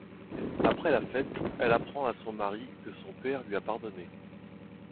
Après la fête, elle apprend à son mari que son père lui a pardonné.